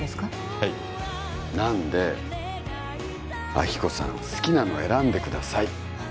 はいなんで亜希子さん好きなの選んでください